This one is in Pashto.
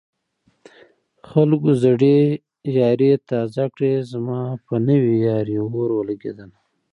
خلکو زړې يارۍ تازه کړې زما په نوې يارۍ اور ولګېدنه